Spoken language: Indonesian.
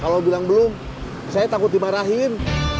kalau bilang belum saya takut dimarahin